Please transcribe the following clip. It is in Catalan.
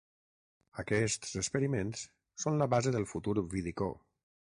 Aquests experiments són la base del futur vidicó.